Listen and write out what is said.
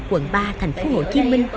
quận ba thành phố hồ chí minh